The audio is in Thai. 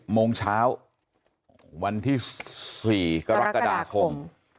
โมงเช้าวันที่๔กรกฎาคม